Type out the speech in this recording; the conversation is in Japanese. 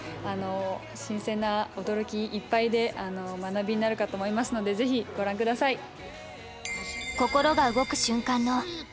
あの新鮮な驚きいっぱいで学びになるかと思いますので是非ご覧ください！